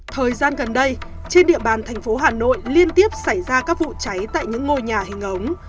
thời gian gần đây trên địa bàn thành phố hà nội liên tiếp xảy ra các vụ cháy tại những ngôi nhà hình ống